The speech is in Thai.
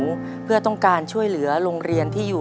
ในแคมเปญพิเศษเกมต่อชีวิตโรงเรียนของหนู